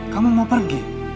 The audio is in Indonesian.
kamu mau pergi